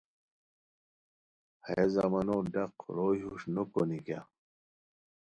ہیہ زمانو ڈق، روئے ہوݰ نوکونی کیہ